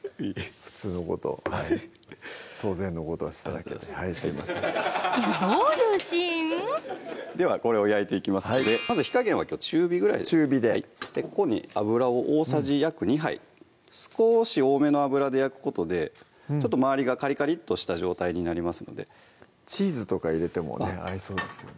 普通のことを当然のことをしただけですすいませんどういうシーン？ではこれを焼いていきますのでまず火加減はきょう中火ぐらいで中火でここに油を大さじ約２杯少し多めの油で焼くことで周りがカリカリッとした状態になりますのでチーズとか入れてもね合いそうですよね